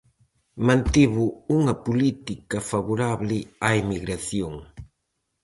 Mantivo unha política favorable á emigración.